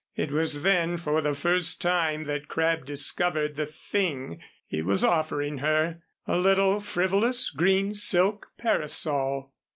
It was then for the first time that Crabb discovered the thing he was offering her a little frivolous green silk parasol.